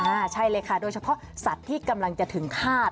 ใช่เลยค่ะโดยเฉพาะสัตว์ที่กำลังจะถึงฆาต